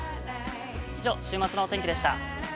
以上、週末のお天気でした。